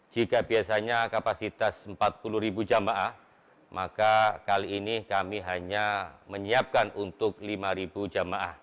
jika biasanya kapasitas empat puluh ribu jamaah maka kali ini kami hanya menyiapkan untuk lima jamaah